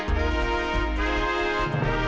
วันนี้ต้องจับตาหลายเรื่องครับ